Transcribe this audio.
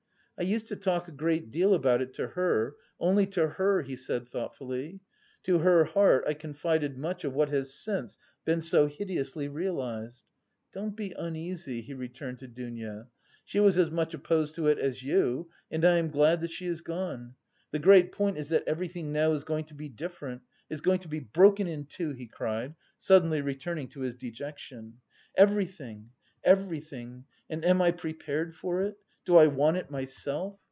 "I used to talk a great deal about it to her, only to her," he said thoughtfully. "To her heart I confided much of what has since been so hideously realised. Don't be uneasy," he returned to Dounia, "she was as much opposed to it as you, and I am glad that she is gone. The great point is that everything now is going to be different, is going to be broken in two," he cried, suddenly returning to his dejection. "Everything, everything, and am I prepared for it? Do I want it myself?